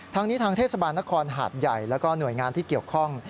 ทางนี้ทางเทศบาลนครหาดใหญ่แล้วก็หน่วยงานที่เกี่ยวข้อง